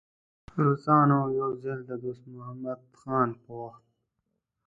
روسانو یو ځل د دوست محمد خان په وخت.